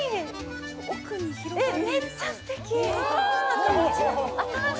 えっめっちゃすてき。